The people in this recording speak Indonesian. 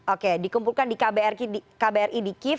oke dikumpulkan di kbri di kiev